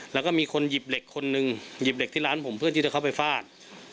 แล้วก็มีคนหยิบเหล็กคนนึงหยิบเหล็กที่ร้านผมเพื่อที่จะเข้าไปฟาด